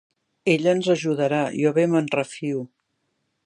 Ell ens ajudarà: jo bé me'n refio.